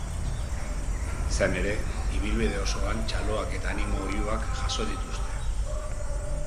Izan ere, ibilbide osoan txaloak eta animo oihuak jaso dituzte.